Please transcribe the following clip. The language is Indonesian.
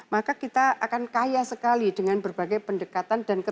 maka kita akan kaya sekali dengan berbagai pendekatan dan kekaya